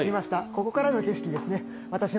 ここからの景色ですね。